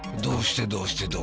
どうして？